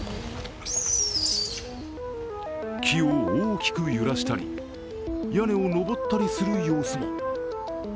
木を大きく揺らしたり屋根を登ったりする様子も。